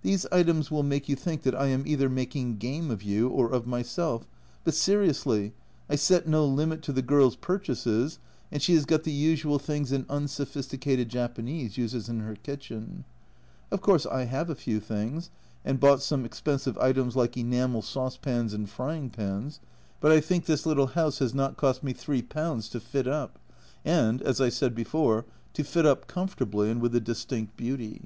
These items will make you think A Journal from Japan 139 that I am either making game of you or of myself, but seriously, I set no limit to the girl's purchases, and she has got the usual things an unsophisticated Japanese uses in her kitchen. Of course, I have a few things, and bought some expensive items like enamel saucepans and frying pans but I think this little house has not cost me 3 to fit up, and, as I said before, to fit up comfortably, and with a distinct beauty.